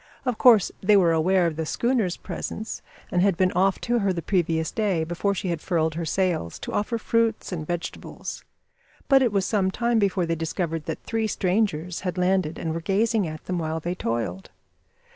Of course they were aware of the schooner's presence, and had been off to her the previous day, before she had furled her sails, to offer fruits and vegetables; but it was some time before they discovered that three strangers had landed and were gazing at them while they toiled.